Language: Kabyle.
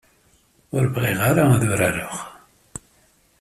Ur bɣiɣ ara ad urareɣ.